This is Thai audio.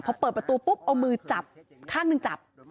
พอเปิดประตูปุ๊บเอามือจับข้างหนึ่งจับ